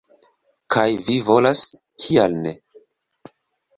Kaj vi volas, kial ne?